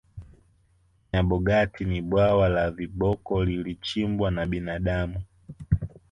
nyabogati ni bwawa la viboko lilichimbwa na binadamu